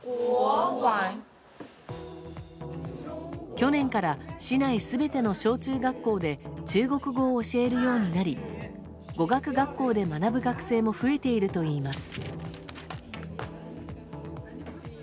去年から市内全ての小中学校で中国語を教えるようになり語学学校で学ぶ学生も増えているといいます。